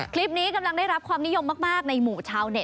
คลิปนี้กำลังได้รับความนิยมมากในหมู่ชาวเต็